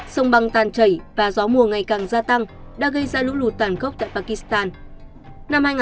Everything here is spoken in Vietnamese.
sông băng tan chảy và gió mùa ngày càng gia tăng đã gây ra lũ lụt tàn khốc tại pakistan